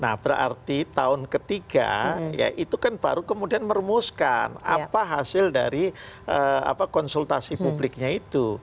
nah berarti tahun ketiga ya itu kan baru kemudian merumuskan apa hasil dari konsultasi publiknya itu